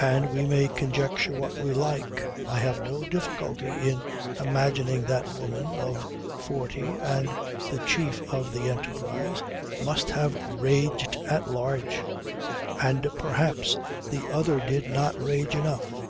And we may conjecture what we like. I have no difficulty in imagining that the woman of forty, and the chief of the enterprise must have raged at large. And perhaps the other did not rage enough.